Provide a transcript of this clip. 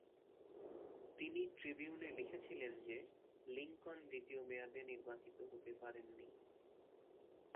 তিনি ট্রিবিউনে লিখেছিলেন যে লিংকন দ্বিতীয় মেয়াদে নির্বাচিত হতে পারেননি।